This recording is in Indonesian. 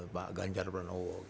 pak ganjar pranowo